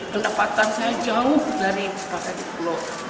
kenepatan saya jauh dari kawasan pulau